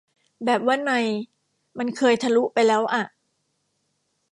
แบบว่าใน มันเคยทะลุ ไปแล้วอะ